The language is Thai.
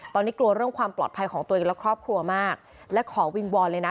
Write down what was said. ตอนนี้กลัวเรื่องความปลอดภัยของตัวเองและครอบครัวมากและขอวิงวอนเลยนะ